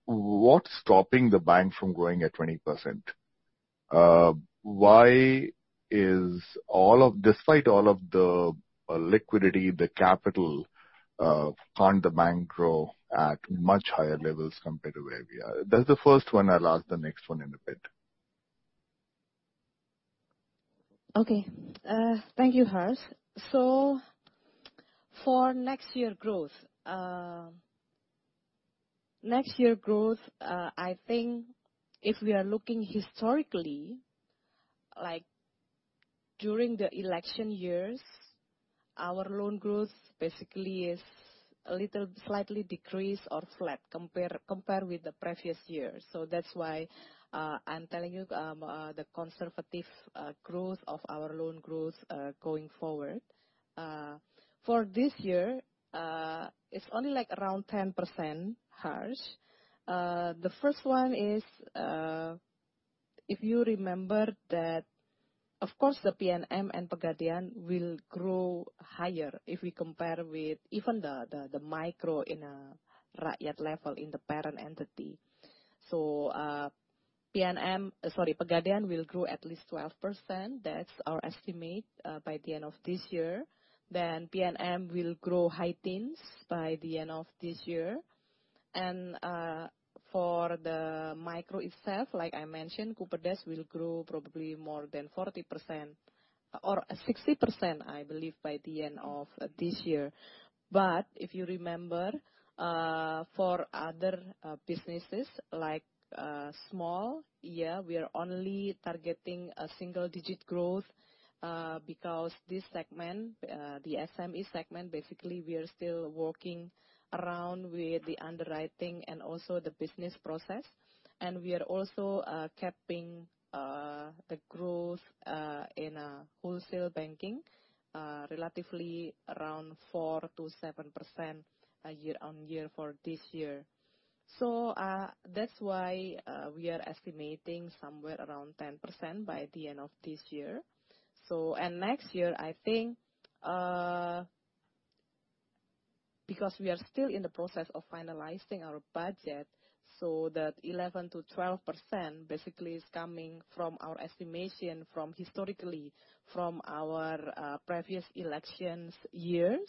What's stopping the bank from growing at 20%? Why is all of... Despite all of the liquidity, the capital, can't the bank grow at much higher levels compared to where we are? That's the first one. I'll ask the next one in a bit. Okay. Thank you, Harsh. So for next year growth, next year growth, I think if we are looking historically, like during the election years, our loan growth basically is a little, slightly decreased or flat, compare, compare with the previous year. So that's why, I'm telling you, the conservative growth of our loan growth, going forward. For this year, it's only like around 10%, Harsh. The first one is, if you remember that, of course, the PNM and Pegadaian will grow higher if we compare with even the micro in rakyat level in the parent entity. So, PNM, sorry, Pegadaian will grow at least 12%. That's our estimate, by the end of this year. Then PNM will grow high teens by the end of this year. For the micro itself, like I mentioned, Kupedes will grow probably more than 40% or 60%, I believe, by the end of this year. But if you remember, for other businesses like small, yeah, we are only targeting a single-digit growth, because this segment, the SME segment, basically, we are still working around with the underwriting and also the business process. And we are also capping the growth in wholesale banking relatively around 4%-7% year-on-year for this year. So, that's why we are estimating somewhere around 10% by the end of this year. So... Next year, I think, because we are still in the process of finalizing our budget, so that 11%-12% basically is coming from our estimation from historically from our previous election years,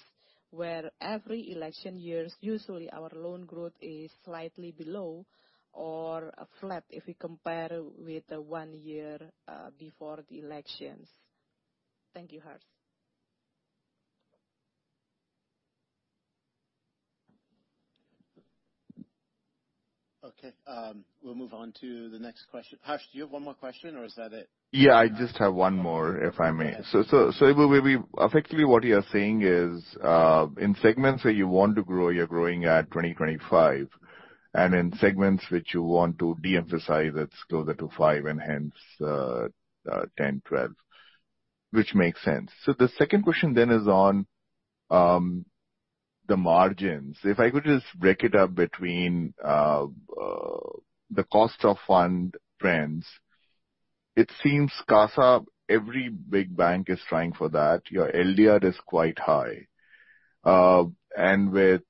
where every election years, usually our loan growth is slightly below or flat, if we compare with the one year before the elections. Thank you, Harsh. Okay, we'll move on to the next question. Harsh, do you have one more question, or is that it? Yeah, I just have one more, if I may. Okay. So, so, so effectively, what you are saying is, in segments where you want to grow, you're growing at 20, 25, and in segments which you want to de-emphasize, it's closer to 5, and hence, 10, 12, which makes sense. So the second question then is on the margins. If I could just break it up between the cost of fund trends, it seems CASA, every big bank is trying for that. Your LDR is quite high. And with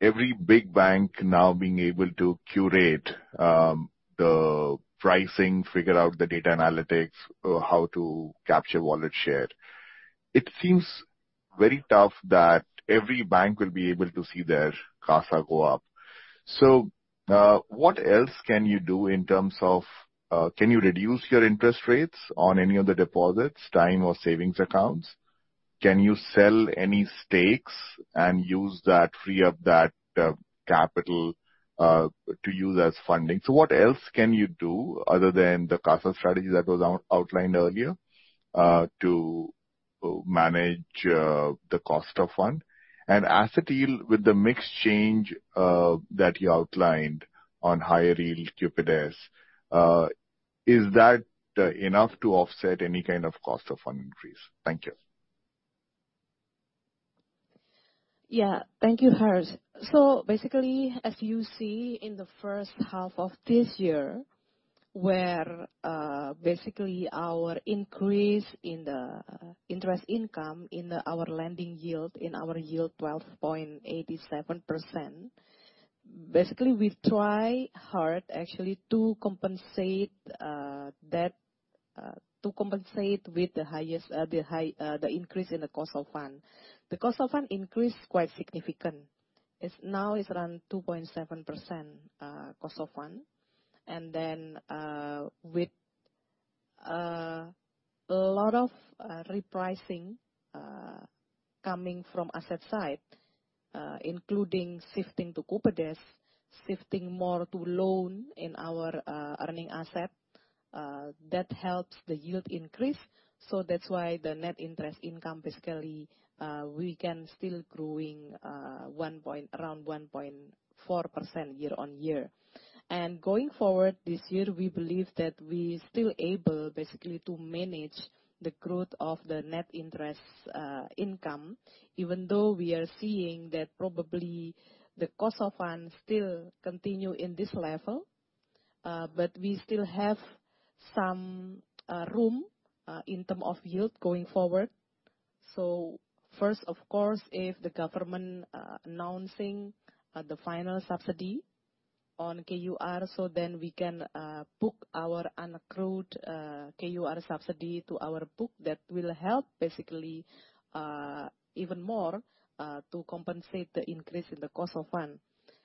every big bank now being able to curate the pricing, figure out the data analytics, how to capture wallet share, it seems very tough that every bank will be able to see their CASA go up. So, what else can you do in terms of... Can you reduce your interest rates on any of the deposits, time or savings accounts? Can you sell any stakes and use that, free up that capital to use as funding? So what else can you do other than the CASA strategy that was outlined earlier to manage the cost of fund? And asset yield, with the mix change that you outlined on higher yield Kupedes, is that enough to offset any kind of cost of fund increase? Thank you. Yeah, thank you, Harsh. So basically, as you see in the first half of this year, where, basically, our increase in the interest income in our lending yield, in our yield, 12.87%, basically, we've tried hard, actually, to compensate that to compensate with the highest, the high, the increase in the cost of fund. The cost of fund increased quite significant. It's now it's around 2.7% cost of fund, and then, with a lot of repricing coming from asset side, including shifting to Kupedes, shifting more to loan in our earning asset, that helps the yield increase. So that's why the net interest income, basically, we can still growing one point... around 1.4% year-on-year. Going forward, this year, we believe that we still able, basically, to manage the growth of the net interest income, even though we are seeing that probably the cost of funds still continue in this level. But we still have some room in term of yield going forward. So first, of course, if the government announcing the final subsidy on KUR, so then we can book our unaccrued KUR subsidy to our book. That will help, basically, even more to compensate the increase in the cost of fund.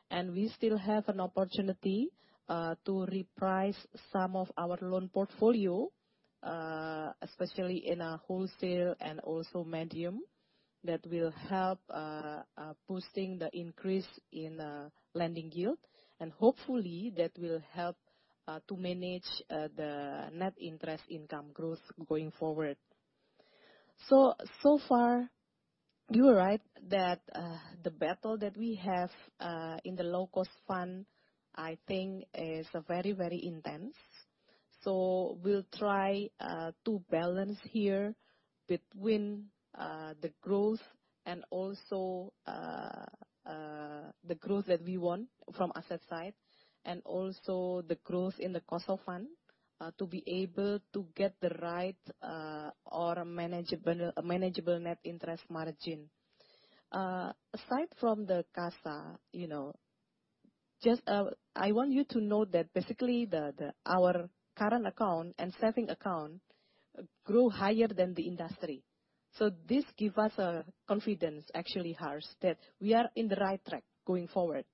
And we still have an opportunity to reprice some of our loan portfolio, especially in our wholesale and also medium, that will help boosting the increase in lending yield. And hopefully, that will help to manage the net interest income growth going forward. So, so far, you are right that the battle that we have in the low-cost fund, I think, is very, very intense. So we'll try to balance here between the growth and also the growth that we want from asset side, and also the growth in the cost of fund to be able to get the right or manageable net interest margin. Aside from the CASA, you know, just I want you to know that basically, our current account and saving account grew higher than the industry. So this give us confidence, actually, Harsh, that we are in the right track going forward.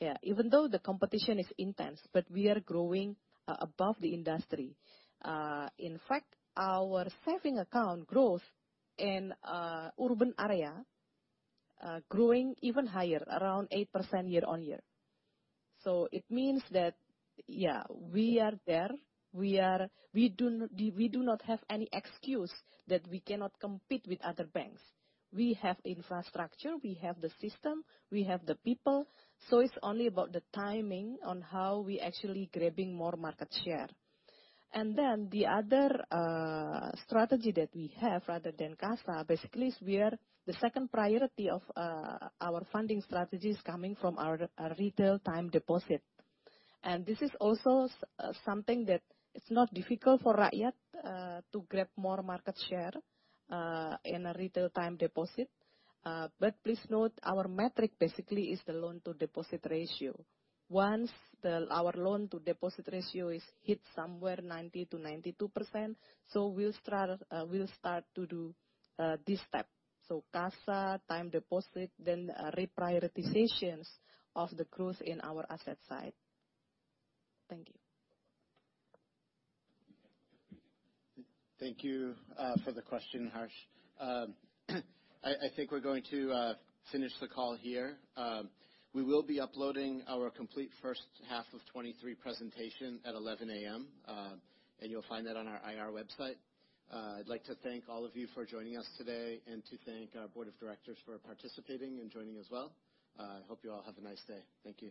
Yeah, even though the competition is intense, but we are growing above the industry. In fact, our savings account growth in urban area growing even higher, around 8% year-on-year. So it means that, yeah, we are there. We are... We do not we do not have any excuse that we cannot compete with other banks. We have infrastructure, we have the system, we have the people, so it's only about the timing on how we actually grabbing more market share. And then, the other strategy that we have, rather than CASA, basically, is we are, the second priority of our funding strategy is coming from our retail time deposit. And this is also s- something that is not difficult for Rakyat to grab more market share in a retail time deposit. But please note our metric basically is the loan to deposit ratio. Once our loan to deposit ratio is hit somewhere 90%-92%, so we'll start to do this step. So CASA, time deposit, then reprioritizations of the growth in our asset side. Thank you. Thank you, for the question, Harsh. I think we're going to finish the call here. We will be uploading our complete first half of 2023 presentation at 11 A.M., and you'll find that on our IR website. I'd like to thank all of you for joining us today, and to thank our board of directors for participating and joining as well. I hope you all have a nice day. Thank you.